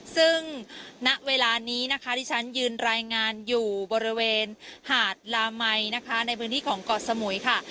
ซึ่งณเวลานี้นะคะที่ฉันยืนรายงานอยู่บริเวณหาดลามัยนะคะในพื้นที่ของเกาะสมุยค่ะ